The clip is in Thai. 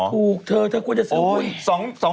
ถูกเธอควรจะซื้อหุ้น